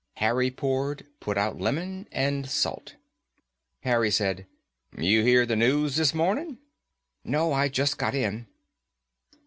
Harry poured, put out lemon and salt. Harry said, "You hear the news this morning?" "No, I just got in."